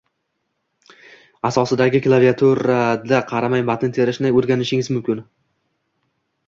Asosidagi klaviaturada qaramay matn terishni o’rganishingiz mumkin